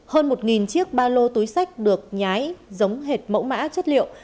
hơn một chiếc ba lô túi sách được nhái giống hệt mẫu mã chất liệu